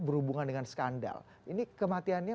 berhubungan dengan skandal ini kematiannya